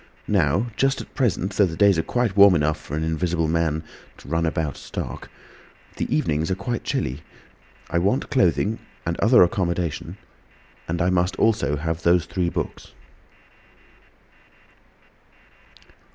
Now, just at present, though the days are quite warm enough for an invisible man to run about stark, the evenings are quite chilly. I want clothing—and other accommodation; and I must also have those three books."